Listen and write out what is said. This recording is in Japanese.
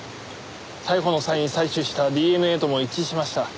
逮捕の際に採取したＤＮＡとも一致しました。